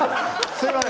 すみません。